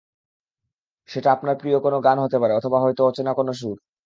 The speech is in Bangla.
সেটা আপনার প্রিয় কোনো গান হতে পারে, অথবা হয়তো অচেনা কোনো সুর।